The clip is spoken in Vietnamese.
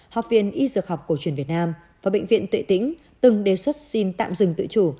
học viên y dược học cổ truyền việt nam và bệnh viện tuệ tĩnh từng đề xuất xin tạm dừng tự chủ